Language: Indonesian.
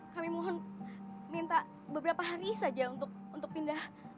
kami mohon minta beberapa hari saja untuk pindah